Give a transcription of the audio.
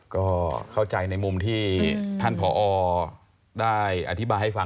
ก็เข้าใจในมุมที่ท่านผอได้อธิบายให้ฟัง